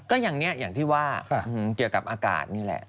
ก็อย่างนี้อย่างที่ว่าเกี่ยวกับอากาศนี่แหละ